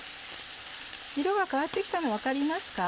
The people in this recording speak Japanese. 色が変わって来たの分かりますか？